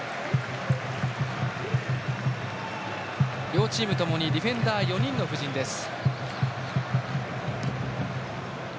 両チーム共にディフェンダー４人の布陣です。